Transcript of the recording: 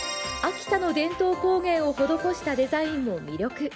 秋田の伝統工芸を施したデザインも魅力。